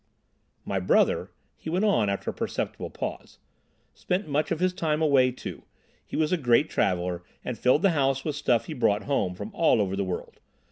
"My brother," he went on, after a perceptible pause, "spent much of his time away, too. He was a great traveller, and filled the house with stuff he brought home from all over the world.